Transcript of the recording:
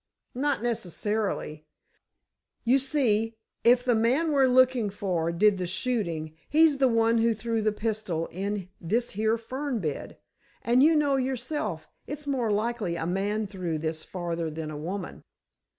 "Not necess'rily. You see, if the man we're looking for did the shooting, he's the one who threw the pistol in this here fern bed. And, you know yourself, it's more likely a man threw this farther than a woman."